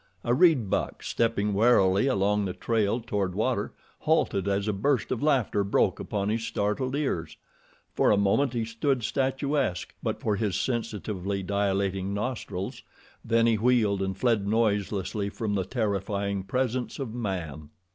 A reed buck, stepping warily along the trail toward water, halted as a burst of laughter broke upon his startled ears. For a moment he stood statuesque but for his sensitively dilating nostrils; then he wheeled and fled noiselessly from the terrifying presence of man.